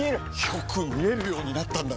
よく見えるようになったんだね！